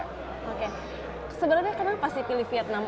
sebenarnya kenapa sih pilih vietnam